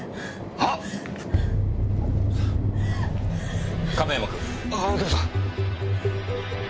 あぁ右京さん。